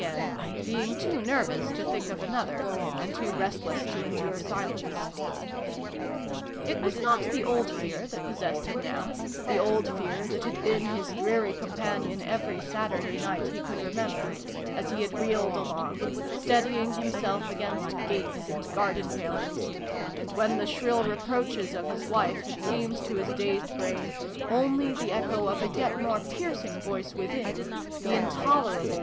again, being too nervous to think of another, and too restless to endure silence. It was not the old fear that possessed him now the old fear, that had been his dreary companion every Saturday night he could re member, as he had reeled along, steadying himself against gates and garden palings, and when the shrill reproaches of his wife had seemed to his dazed brain only the echo of a yet more piercing voice within, the intolerable vi] WILLIE'S WIFE.